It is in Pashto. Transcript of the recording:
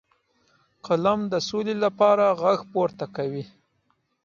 قلم د سولې لپاره غږ پورته کوي